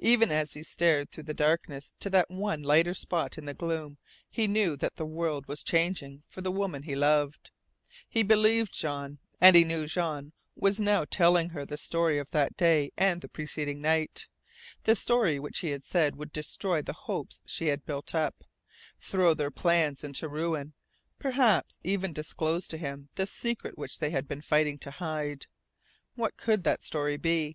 Even as he stared through the darkness to that one lighter spot in the gloom he knew that the world was changing for the woman he loved. He believed Jean, and he knew Jean was now telling her the story of that day and the preceding night the story which he had said would destroy the hopes she had built up, throw their plans into ruin, perhaps even disclose to him the secret which they had been fighting to hide. What could that story be?